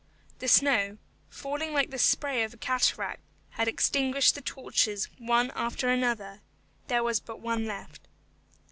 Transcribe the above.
The snow, falling like the spray of a cataract, had extinguished the torches one after another; there was but one left.